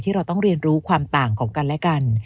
เราต้องเรียนรู้ความต่างของกันและกัน